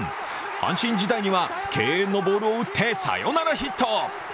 阪神時代には敬遠のボールを打ってサヨナラヒット。